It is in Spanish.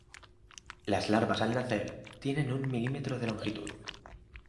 Las larvas al nacer tienen un milímetro de longitud.